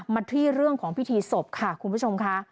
มาที่เรื่องของพิธีศพค่ะคุณผู้ชมค่ะ